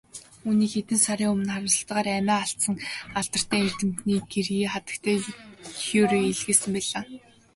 Үүнийг хэдхэн сарын өмнө харамсалтайгаар амиа алдсан алдартай эрдэмтний гэргий хатагтай Кюре илгээсэн байлаа.